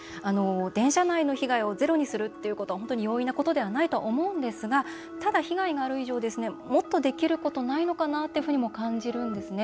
電車内の被害をゼロにするっていうことは本当に容易なことではないと思うんですがただ、被害がある以上もっとできることないのかなと感じるんですね。